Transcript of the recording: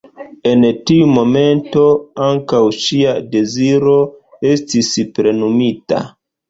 En tiu momento ankaŭ ŝia deziro estis plenumita.